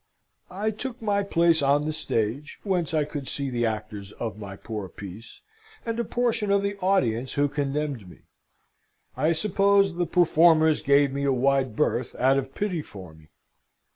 I took my place on the stage, whence I could see the actors of my poor piece, and a portion of the audience who condemned me. I suppose the performers gave me a wide berth out of pity for me.